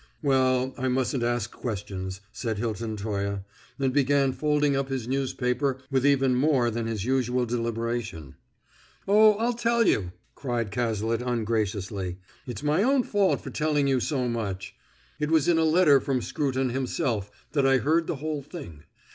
"Well, I mustn't ask questions," said Hilton Toye, and began folding up his newspaper with even more than his usual deliberation. "Oh, I'll tell you!" cried Cazalet ungraciously. "It's my own fault for telling you so much. It was in a letter from Scruton himself that I heard the whole thing.